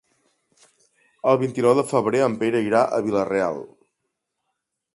El vint-i-nou de febrer en Pere irà a Vila-real.